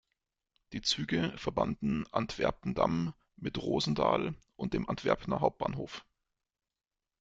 Die Züge verbanden Antwerpen-Dam mit Roosendaal und dem Antwerpener Hauptbahnhof.